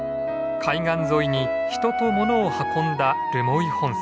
海岸沿いに人と物を運んだ留萌本線。